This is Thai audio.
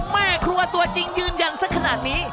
แม่ครัวตัวจริงยืนยันสักขนาดนี้